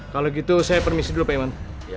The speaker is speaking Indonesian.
kalau gitu saya permisi dulu pak iman